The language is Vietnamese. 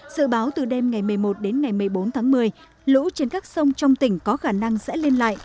dự báo từ đêm ngày một mươi một đến ngày một mươi bốn tháng một mươi lũ trên các sông trong tỉnh có khả năng sẽ lên lại